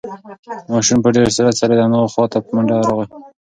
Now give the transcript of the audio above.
ماشوم په ډېر سرعت سره د انا خواته په منډه راغی.